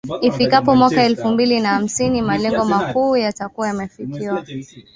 Ifikapo mwaka elfu mbili na hamsini, malengo makuu yatakua yamefikiwa.